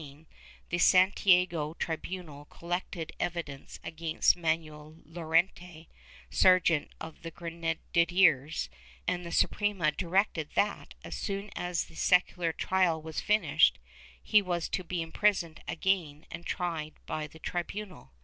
So, in July 1S17, the Santiago tribunal collected evidence against Manuel Llorente, sergeant of Grena diers, and the Suprema directed that, as soon as the secular trial was finished, he was to be imprisoned again and tried by the tribunal.